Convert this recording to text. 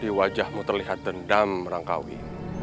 di wajahmu terlihat dendam rangkawi